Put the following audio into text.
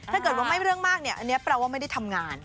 ถ้าเกิดว่าไม่เรื่องมากเนี่ยอันนี้แปลว่าไม่ได้ทำงาน